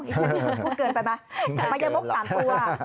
อีกทีหนึ่งพูดเกินไปไหมไม่เกินหรอกมายมกสามตัว